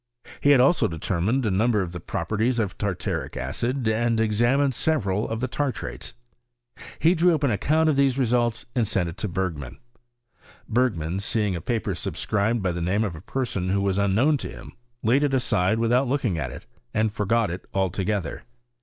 He had also determined a number of the properties of tartaric acid, and examined several of the tartrates. He drew up an account of them results, and sent it to Bergman. Bergman, seeing a paper subscribed by tiie name of a person PR0GEES8 OF CHEMISTRY IK SWEDEN. 57 who was uiikno¥m to him, laid it aside without looking at it, and forgot it altogether.